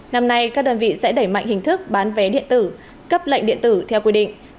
năm nay các đơn vị sẽ đẩy mạnh hình thức bán vé điện tử cấp lệnh điện tử theo quy định